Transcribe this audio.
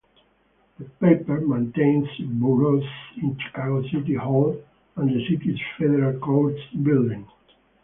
The paper maintains bureaus in Chicago city hall and the city's federal courts building.